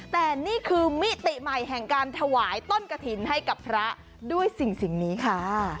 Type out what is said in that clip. แต่นี่คือมิติใหม่แห่งการถวายต้นกระถิ่นให้กับพระด้วยสิ่งนี้ค่ะ